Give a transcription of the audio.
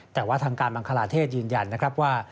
แต่ว่าทางการบังคลาเทศยืนยันนะครับว่า